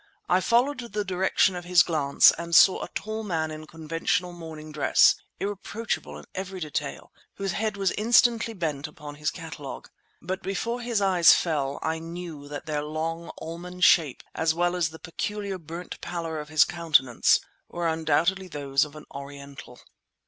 I followed the direction of his glance, and saw a tall man in conventional morning dress, irreproachable in every detail, whose head was instantly bent upon his catalogue. But before his eyes fell I knew that their long almond shape, as well as the peculiar burnt pallor of his countenance, were undoubtedly those of an Oriental.